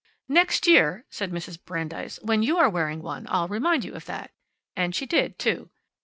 "Next year," said Mrs. Brandeis, "when you are wearing one, I'll remind you of that." And she did, too.